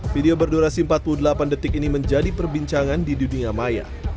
video berdurasi empat puluh delapan detik ini menjadi perbincangan di dunia maya